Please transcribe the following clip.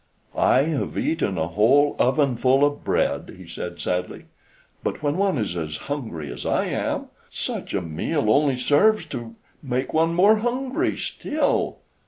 "I have eaten a whole ovenful of bread," he said sadly, "but when one is as hungry as I am, such a meal only serves to make one more hungry still.